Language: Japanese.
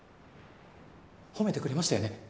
褒めてくれましたよね？